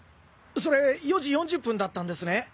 それ４時４０分だったんですね？